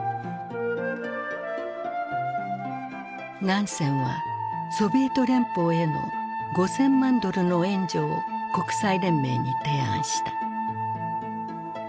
ナンセンはソビエト連邦への５，０００万ドルの援助を国際連盟に提案した。